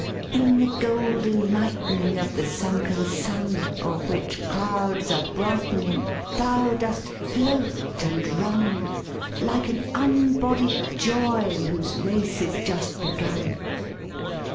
"In the golden lightning Of the sunken sun O'er which clouds are brightening, Thou dost float and run, Like an unbodied joy whose race is just begun.